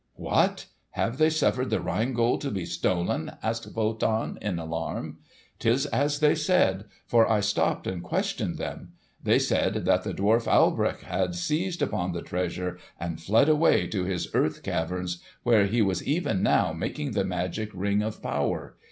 '" "What! Have they suffered the Rhine Gold to be stolen?" asked Wotan in alarm. "'Tis as they said; for I stopped and questioned them. They said that the dwarf Alberich had seized upon the treasure and fled away to his earth caverns, where he was even now making the magic Ring of Power.